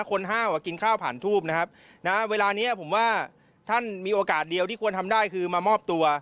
ห้าวกินข้าวผ่านทูบนะครับนะเวลานี้ผมว่าท่านมีโอกาสเดียวที่ควรทำได้คือมามอบตัว